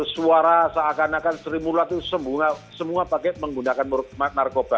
suara seakan akan sri mulat itu semua pakai menggunakan narkoba